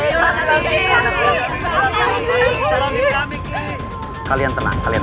hilangki teman jodoh juga hilangki kalian tenang kalian